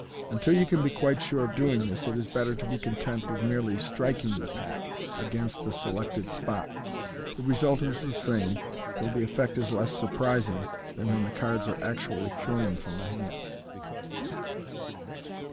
Until you can be quite sure of doing this, it is better to be content with merely striking the pack against the selected spot. The result is the same, though the effect is less surprising than when the cards are actually thrown from the hand.